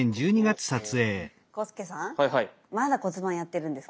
浩介さんまだ骨盤やってるんですか。